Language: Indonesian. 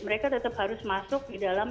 mereka tetap harus masuk di dalam